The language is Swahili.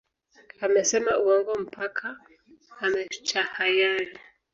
Amesema uongo mpaka ametahayari